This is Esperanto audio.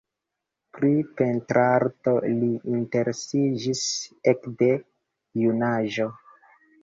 Pri pentrarto li interesiĝis ekde junaĝo.